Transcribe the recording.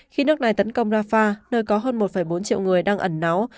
khi nước này tấn công rafah nơi có hơn một bốn triệu người đang ẩn náu